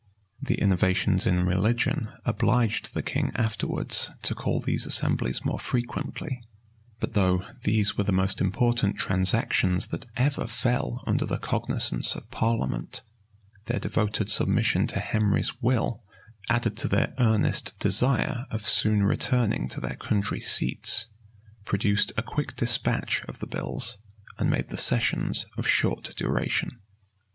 The innovations in religion obliged the king afterwards to call these assemblies more frequently; but though these were the most important transactions that ever fell under the cognizance of parliament, their devoted submission to Henry's will, added to their earnest desire of soon returning to their country seats, produced a quick despatch of the bills, and made the sessions of short duration.